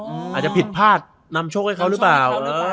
อาจจะผิดพลาดนำโชคให้เขาหรือเปล่า